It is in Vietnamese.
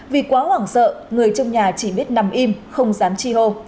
vì quá hoảng sợ người trong nhà chỉ biết nằm im không dán chi hô